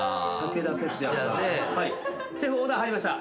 シェフオーダー入りました。